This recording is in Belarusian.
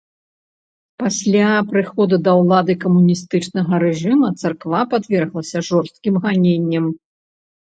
Пасля прыхода да ўлады камуністычнага рэжыма царква падверглася жорсткім ганенням.